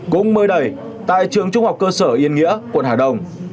cũng mới đây tại trường trung học cơ sở yên nghĩa quận hà đồng